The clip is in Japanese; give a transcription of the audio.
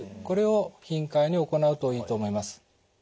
これを頻回に行うといいと思います。